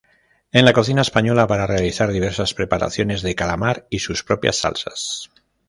En la cocina española para realizar diversas preparaciones de calamar y sus propias salsas.